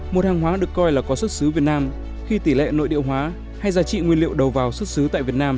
một hàng hóa được coi là có xuất xứ việt nam khi tỷ lệ nội địa hóa hay giá trị nguyên liệu đầu vào xuất xứ tại việt nam